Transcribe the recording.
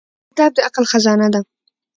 • کتاب د عقل خزانه ده.